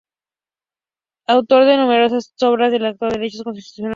Autor de numerosas obras sobre el derecho constitucional.